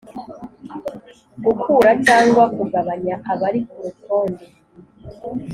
gukura cyangwa kugabanya abari ku rutonde